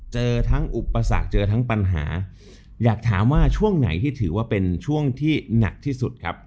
เจอทั้งอุปสรรคเจอทั้งปัญหาอยากถามว่าช่วงไหนที่ถือว่าเป็นช่วงที่หนักที่สุดครับ